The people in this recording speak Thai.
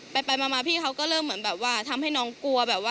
ไปมาพี่เขาก็เริ่มเหมือนแบบว่าทำให้น้องกลัวแบบว่า